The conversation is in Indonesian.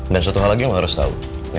dan satu hal lagi lo harus tau